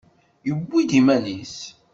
Yewwi-d iman-is.